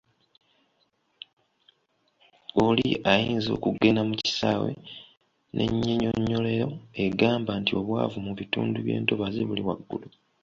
Oli ayinza okugenda mu kisaawe n’ennyinyonnyolero egamba nti obwavu mu bitundu by’entobazi buli waggulu.